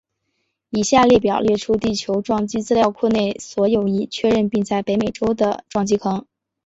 以下列表列出地球撞击资料库内所有已确认并在北美洲的撞击坑。